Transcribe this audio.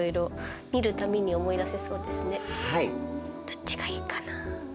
どっちがいいかな。